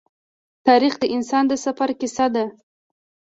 تاریخ د انسان د سفر کیسه ده.